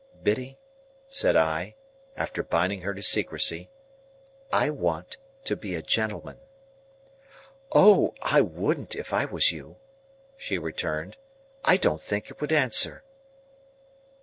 "Biddy," said I, after binding her to secrecy, "I want to be a gentleman." "O, I wouldn't, if I was you!" she returned. "I don't think it would answer."